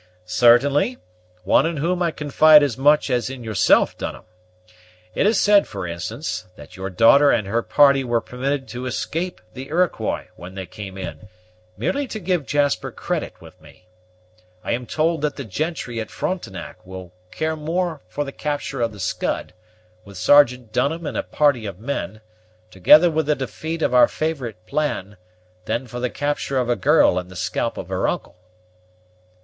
"Certainly, one in whom I confide as much as in yourself Dunham. It is said, for instance, that your daughter and her party were permitted to escape the Iroquois, when they came in, merely to give Jasper credit with me. I am told that the gentry at Frontenac will care more for the capture of the Scud, with Sergeant Dunham and a party of men, together with the defeat of our favorite plan, than for the capture of a girl and the scalp of her uncle."